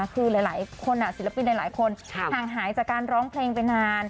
คือหลายคนศิลปินหลายคนห่างหายจากการร้องเพลงไปนาน